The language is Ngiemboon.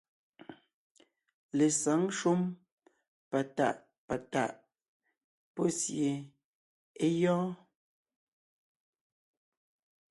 Lesǎŋ shúm patàʼ patàʼ pɔ́ sie é gyɔ́ɔn.